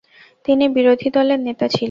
তিনি বিরোধীদলের নেতা ছিলেন।